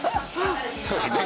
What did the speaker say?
そうですね